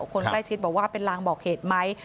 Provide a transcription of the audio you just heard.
คนใกล้ชิดบอกว่าเป็นลางบอกเหตุไหม